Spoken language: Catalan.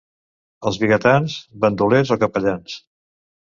Els vigatans, bandolers o capellans.